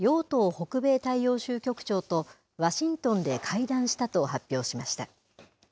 北米大洋州局長と、ワシントンで会談したと発表しました。